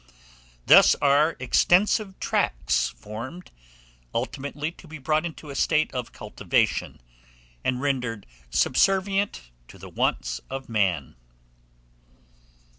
Thus are extensive tracts formed, ultimately to be brought into a state of cultivation, and rendered subservient to the wants of man.